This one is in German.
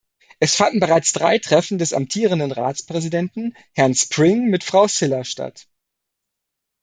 Es fanden bereits drei Treffen des amtierenden Ratspräsidenten, Herrn Spring, mit Frau Ciller statt.